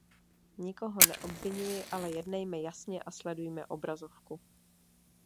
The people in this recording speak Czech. Nikoho neobviňuji, ale jednejme jasně a sledujme obrazovku.